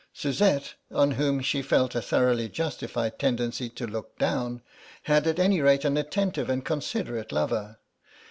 Suzette, on whom she felt a thoroughly justified tendency to look down, had at any rate an attentive and considerate lover.